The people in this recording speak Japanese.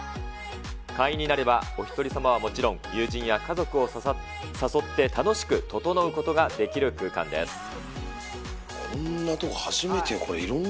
会員になれば、お一人様はもちろん、友人や家族を誘って楽しくととのうことがでこんなとこ、初めて。